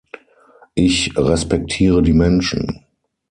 Ich respektiere die Menschen.